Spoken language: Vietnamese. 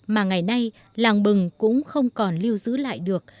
mà ngày nay làng bừng cũng không còn lưu giữ lại được